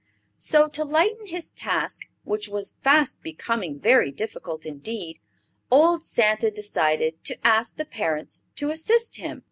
So, to lighten his task, which was fast becoming very difficult indeed, old Santa decided to ask the parents to assist him.